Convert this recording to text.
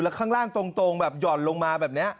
ข้างล่างตรงแบบหย่อนลงมาแบบนี้